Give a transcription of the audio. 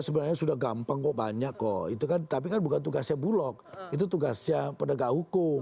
ya sebenarnya sudah gampang kok banyak kok tapi kan bukan tugasnya bulog itu tugasnya pendegak hukum